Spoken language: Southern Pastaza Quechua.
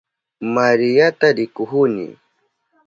Mariata rikuhuni.